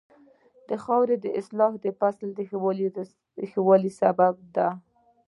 د خاورې اصلاح د فصل د ښه والي سبب ده.